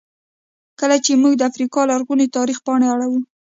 کله چې موږ د افریقا لرغوني تاریخ پاڼې اړوو.